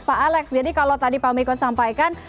pak alex jadi kalau tadi pak miko sampaikan